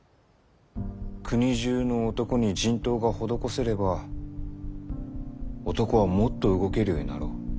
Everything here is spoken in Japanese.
国中の男に人痘が施せれば男はもっと動けるようになろう。